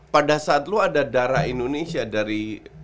pada saat lo ada darah indonesia dari